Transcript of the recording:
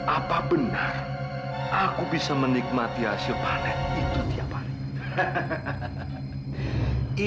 apa benar aku bisa menikmati hasil panen itu tiap hari